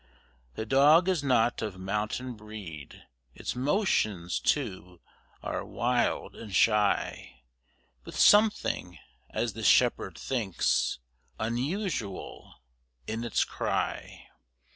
The dog is not of mountain breed, Its motions, too, are wild and shy, With something, as the shepherd thinks, Unusual in its cry.